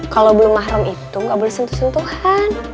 kalo belum mahrum itu enggak boleh sentuh sentuhan